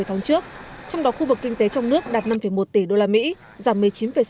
trong đó khu vực kinh tế trong nước đạt năm một tỷ usd giảm một mươi chín sáu